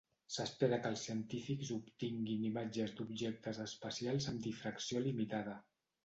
S'espera que els científics obtinguin imatges d'objectes espacials amb difracció limitada.